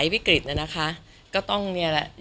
คือนอกจากการเป็นสมาชิกและบทการ